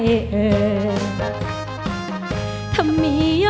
ทั้งในเรื่องของการทำงานเคยทำนานแล้วเกิดปัญหาน้อย